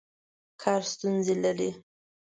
کار ستونزې لري.